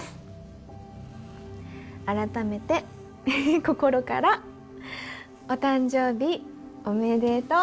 改めて心からお誕生日おめでとう。